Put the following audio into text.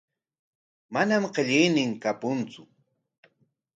Manam qillaynin kapuntsu.